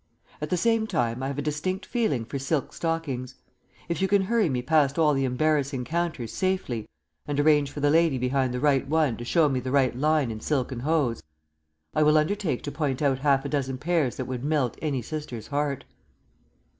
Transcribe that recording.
At the same time I have a distinct feeling for silk stockings. If you can hurry me past all the embarrassing counters safely, and arrange for the lady behind the right one to show me the right line in silken hose, I will undertake to pick out half a dozen pairs that would melt any sister's heart."